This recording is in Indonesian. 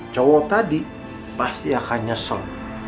cowok tadi pasti akan nyesel